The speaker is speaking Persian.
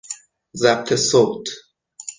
ضبط صوت